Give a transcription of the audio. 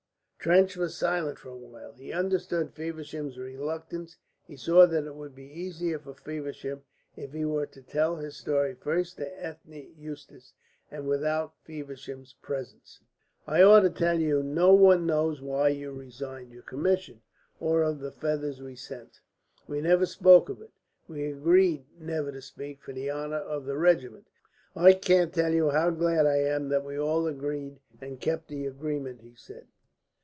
Trench was silent for a while. He understood Feversham's reluctance, he saw that it would be easier for Feversham if he were to tell his story first to Ethne Eustace, and without Feversham's presence. "I ought to tell you no one knows why you resigned your commission, or of the feathers we sent. We never spoke of it. We agreed never to speak, for the honour of the regiment. I can't tell you how glad I am that we all agreed and kept to the agreement," he said.